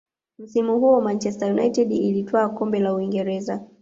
msimu huo manchester united ilitwaa kombe la uingereza